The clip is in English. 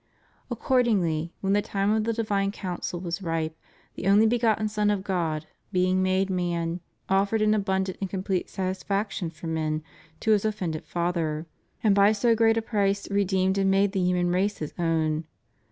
Accord ingly, when the time of the divine counsel was ripe, the only begotten Son of God, being made man, offered an abundant and complete satisfaction for men to His of fended Father, and by so great a price redeemed and made the human race His own.